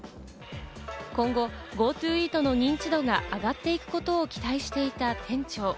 今後、ＧｏＴｏＥａｔの認知度が上がっていくことを期待していた店長。